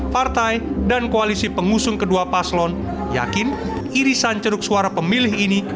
partai dan koalisi pengusung kedua paslon yakin irisan ceruk suara pemilih ini